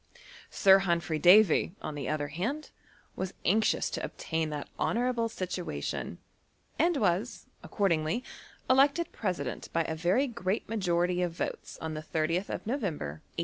Sir Humphry Davy, on the other hand, was anxious to obtain that lumourable situation, and was accordingly elected pcesident by a very great majority of votes on the atthof November, 1821.